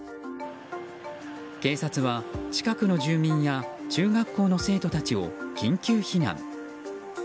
警察は近くの住民や中学校の生徒たちを緊急避難。